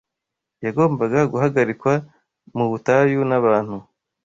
yagombaga guhagarikwa mu butayu n’abantu